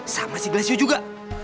sama si glasio juga